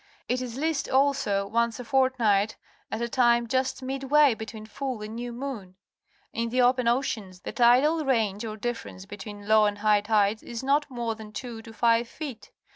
It is least, also, once a fortnight, at a time just midway between full and new moon. In the open oceans, the tidal range, or difference between low and high tide, is not more than two to five feet.